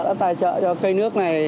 đã tài trợ cho cây nước này